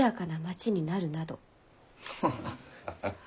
ハハハハ。